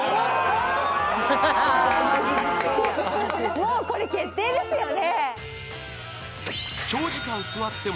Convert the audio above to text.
もうこれ決定ですよね。